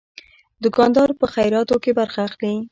دوکاندار په خیراتو کې برخه اخلي.